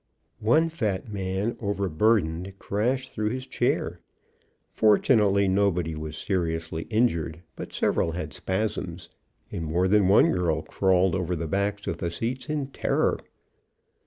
One fat man, over burdened, crashed through his chair. Fortunately nobody was seriously injured, but several had spasms, and more than one girl crawled over the backs of the seats in terror.